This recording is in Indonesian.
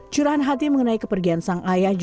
curahan hati mengenai kepergian sang ayah